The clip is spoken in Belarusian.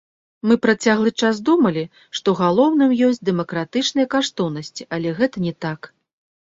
Мы працяглы час думалі, што галоўным ёсць дэмакратычныя каштоўнасці, але гэта не так.